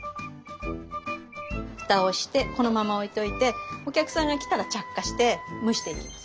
フタをしてこのまま置いといてお客さんが来たら着火して蒸していきます。